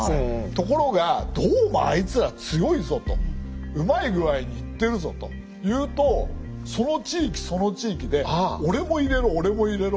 ところがどうもあいつら強いぞとうまい具合にいってるぞというとその地域その地域でうわ！